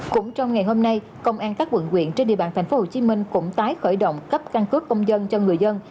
cũng trong ngày hôm nay công an các quận quyện trên địa bàn tp hcm cũng tái khởi động cấp căn cước công dân cho người dân